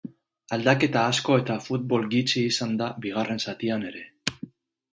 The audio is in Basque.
Aldaketa asko eta futbol gitxi izan da bigarren zatian ere.